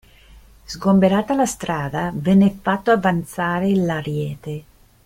Sgomberata la strada, venne fatto avanzare l'ariete.